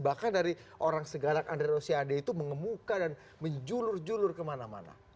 bahkan dari orang segarak andre rosiade itu mengemuka dan menjulur julur kemana mana